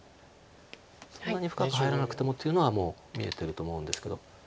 そんなに深く入らなくてもというのはもう見えてると思うんですけど。